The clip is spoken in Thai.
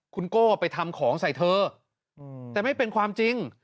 คุณโก้ไปทำของใส่เธอแต่ไม่เป็นความจริง